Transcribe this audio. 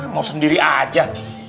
mau sendiri aja